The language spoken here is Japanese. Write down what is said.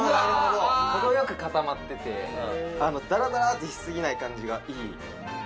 ・程よく固まっててダラダラってしすぎない感じがいい・